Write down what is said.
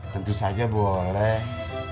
tentu saja boleh